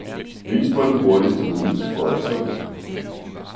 Vis mig den hurtigste rute til Frederikssund